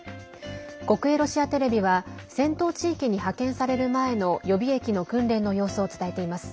国営ロシアテレビは戦闘地域に派遣される前の予備役の訓練の様子を伝えています。